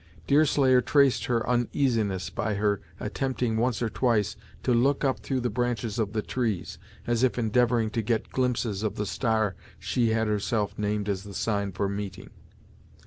Deerslayer traced her uneasiness by her attempting once or twice to look up through the branches of the trees, as if endeavouring to get glimpses of the star she had herself named as the sign for meeting.